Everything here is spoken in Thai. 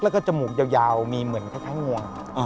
แล้วก็จมูกยาวมีเหมือนคล้ายงวง